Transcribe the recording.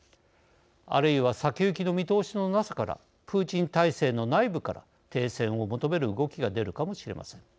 あるいは先行きの見通しのなさからプーチン体制の内部から停戦を求める動きが出るかもしれません。